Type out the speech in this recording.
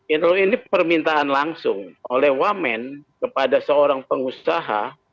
ini permintaan langsung oleh wamen kepada seorang pengusaha